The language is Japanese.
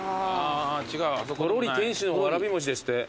とろり天使のわらびもちですって。